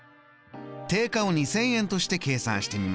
定価を２０００円として計算してみましょう。